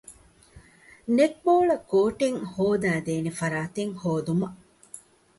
ނެޓްބޯޅަކޯޓެއް ހަދައިދޭނެ ފަރާތެއް ހޯދުމަށް